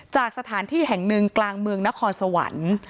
จากสถานที่แห่งหนึ่งกลางเมืองนครสวรรค์